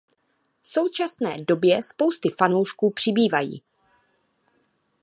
V současné době spousty fanoušků přibývají.